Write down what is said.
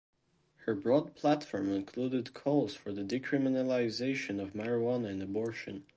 Her broad platform included calls for the decriminalization of marijuana and abortion.